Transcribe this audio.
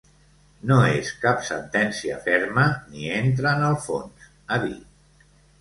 No és cap sentència ferma ni entra en el fons, ha dit.